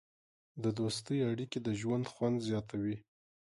د دوستۍ اړیکې د ژوند خوند زیاتوي.